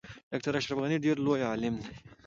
ډاکټر اشرف غنی ډیر لوی عالم دی